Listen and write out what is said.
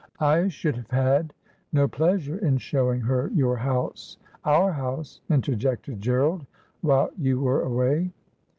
' I should have had no pleasure in showing her your house '—' Our house,' interjected Gerald —' while you were away.'